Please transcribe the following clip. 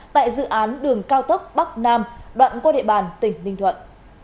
tại dự án đường cao tốc bắc nam đoạn qua địa bàn tỉnh ninh thuận